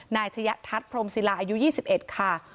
นายชะยะทัศน์พรมศิลาอายุยี่สิบเอ็ดค่ะ